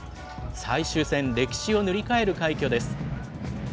最終戦、歴史を塗り替える快挙です。